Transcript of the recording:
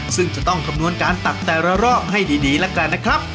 ซึ่งจะต้องคำนวณการตักแต่ละรอบให้ดีแล้วกันนะครับ